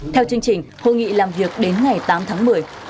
theo chương trình hội nghị làm việc đến ngày tám tháng một mươi